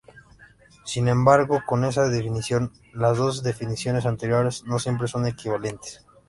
Sin embargo, con esta definición, las dos definiciones anteriores, no siempre son equivalentes.